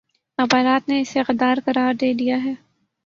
اخبارات نے اسے غدارقرار دے دیاہے